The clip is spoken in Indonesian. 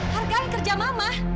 hargai kerja mama